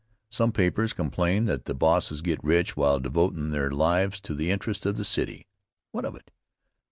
Some papers complain that the bosses get rich while devotin' their lives to the interests of the city. What of it?